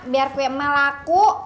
biar kue emak laku